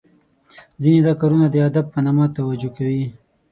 ځینې دا کارونه د ادب په نامه توجه کوي .